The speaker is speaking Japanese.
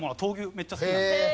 めっちゃ好きなので。